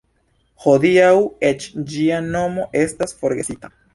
Hodiaŭ eĉ ĝia nomo estas forgesita.